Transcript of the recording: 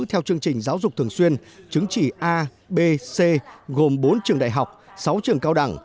theo chương trình giáo dục thường xuyên chứng chỉ a b c gồm bốn trường đại học sáu trường cao đẳng